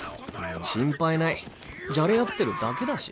心配ないじゃれ合ってるだけだし。